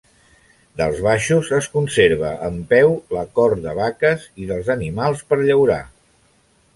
Dels baixos es conserva en peu la cort de vaques i dels animals per llaurar.